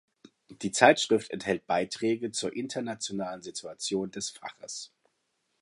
Die Zeitschrift enthält Beiträge zur internationalen Situation des Faches.